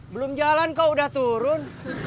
belum jalan kau udah turun